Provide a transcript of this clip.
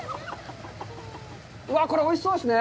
うわあ、これ、おいしそうですね。